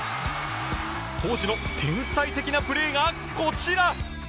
当時の天才的なプレーがこちら！